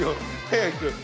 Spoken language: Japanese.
早く。